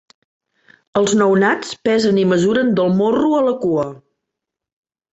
Els nounats pesen i mesuren del morro a la cua.